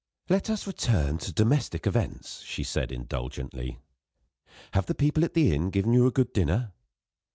"Let us return to domestic events," she said indulgently. "Have the people at the inn given you a good dinner?"